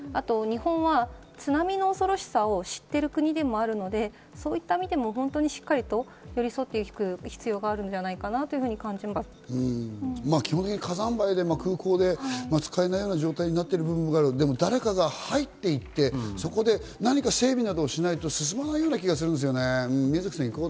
日本は津波の恐ろしさを知っている国でもあるので、そういった意味でもしっかりと寄り添っていく必要があるんじゃな火山灰が空港で使えない状態になっている部分がある、誰かが入っていって、そこで何か整理などしないと進まないような気がするんですけどね。